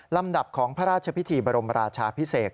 ลำดับของพระราชพิธีบรมราชาพิเศษ